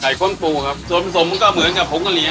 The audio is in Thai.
ค้นปูครับส่วนผสมมันก็เหมือนกับผงกะเหลีย